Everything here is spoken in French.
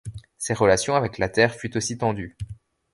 Ses relations avec la Terre fut aussi tendu.